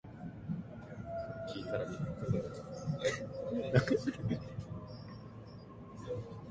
建物の入口に立っている部下の男が、こんどは両手をまっすぐにのばして、左右にあげたりさげたり、鳥の羽ばたきのようなまねを、三度くりかえしました。